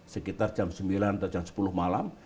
sekitar jam sembilan atau jam sepuluh malam